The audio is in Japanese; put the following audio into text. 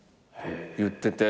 言ってて。